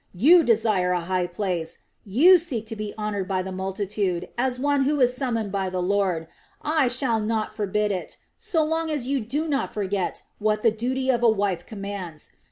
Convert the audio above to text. You desire a high place, you seek to be honored by the multitude as one who is summoned by the Lord. I shall not forbid it, so long as you do not forget what the duty of a wife commands.